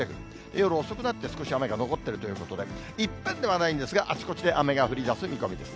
夜遅くなって少し雨が残ってるということで、いっぺんではないんですが、あちこちで雨が降りだす見込みです。